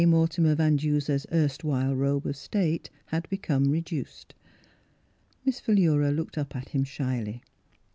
Mor timer Van Duser's erstwhile robe of state had become reduced. Miss Philura looked up at him shyly.